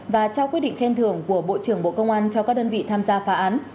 và trao quyết định khen thưởng của bộ trưởng bộ công an cho các đơn vị tham gia phá án